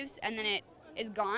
kemudian itu berubah